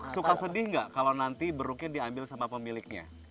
suka sedih tidak kalau nanti beruknya diambil oleh pemiliknya